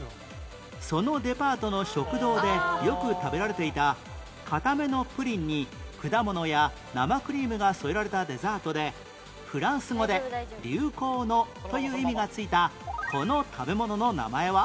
そのデパートの食堂でよく食べられていた固めのプリンに果物や生クリームが添えられたデザートでフランス語で「流行の」という意味が付いたこの食べ物の名前は？